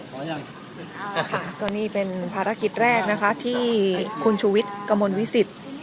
ค่ะก็นี่เป็นภารกิจแรกนะคะที่คุณชุวิตกระมวลวิสิทธิ์